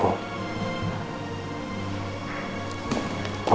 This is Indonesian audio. kehadiran kamu dalam hidup aku